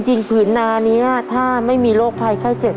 ผืนนานี้ถ้าไม่มีโรคภัยไข้เจ็บ